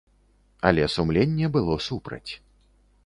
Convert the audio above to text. Але сумленне было супраць.